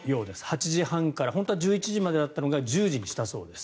８時半から本当は１１時までだったのが１０時にしたそうです。